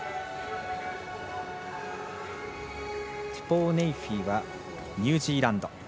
トゥポウ・ネイフィはニュージーランド。